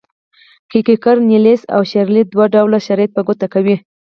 کیکیري، نیلیس او شیرلي دوه ډوله شرایط په ګوته کوي.